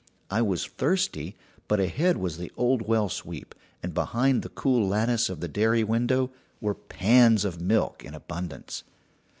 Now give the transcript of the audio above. I was thirsty, but ahead was the old well sweep, and behind the cool lattice of the dairy window were pans of milk in abundance.